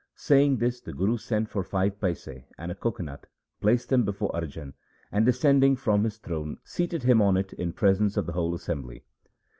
Saying this the Guru sent for five paise and a coco nut, placed them before Arjan, and descending from his throne seated him on it in presence of the whole assembly.